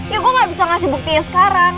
ya gue gak bisa ngasih buktinya sekarang